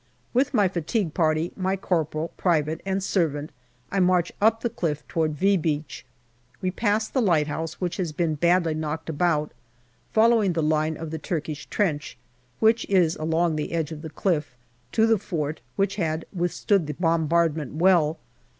With my fatigue party, my corporal, private, and servant, I march up the cliff toward " V " Beach. We pass the lighthouse, which has been badly knocked about, following the line of the Turkish trench, which is along the edge of the cliff, to the fort, which had withstood the bombardment well.